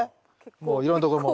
もういろんなとこもう。